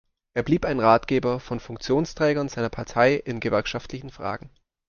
Er blieb ein Ratgeber von Funktionsträgern seiner Partei in gewerkschaftlichen Fragen.